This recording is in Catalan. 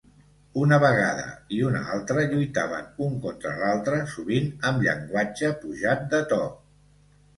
Una vegada i una altre, lluitaven un contra l'altre, sovint amb llenguatge pujat de to.